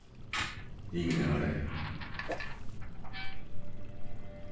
リングに上がれ。